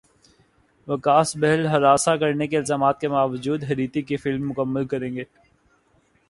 وکاس بہل ہراساں کرنے کے الزامات کے باوجود ہریتھک کی فلم مکمل کریں گے